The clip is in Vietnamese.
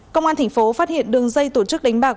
công an tp phát hiện đường dây tổ chức đánh bạc